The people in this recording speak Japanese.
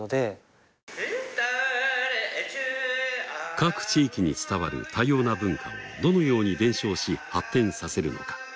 各地域に伝わる多様な文化をどのように伝承し発展させるのか。